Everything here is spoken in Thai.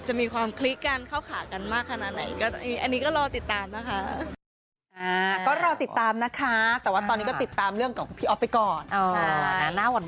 จะมีความคลิกกันเข้าขากันมากขนาดไหน